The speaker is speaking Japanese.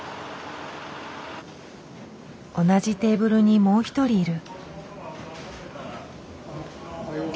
同じテーブルにもう一人いる。